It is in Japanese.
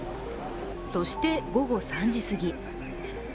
そして、午後３時すぎ。